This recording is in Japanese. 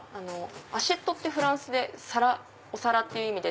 アシェットってフランスでお皿って意味で。